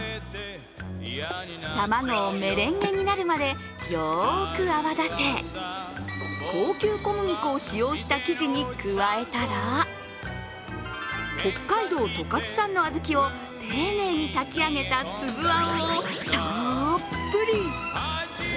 卵をメレンゲになるまでよく泡立て、高級小麦粉を使用した生地に加えたら北海道十勝産の小豆を丁寧にたき上げたつぶあんをたっぷり。